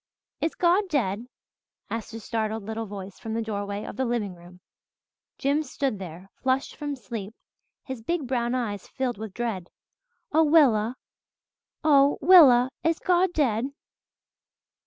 "Is God dead?" asked a startled little voice from the doorway of the living room. Jims stood there, flushed from sleep, his big brown eyes filled with dread, "Oh Willa oh, Willa, is God dead?"